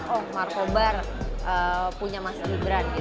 oh markobar punya masjid brand gitu